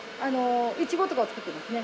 イチゴとかを作ってますね。